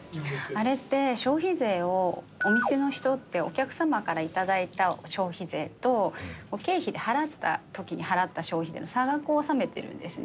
あれって消費税をお店の人ってお客様から頂いた消費税と経費で払った時に払った消費税の差額を納めてるんですね。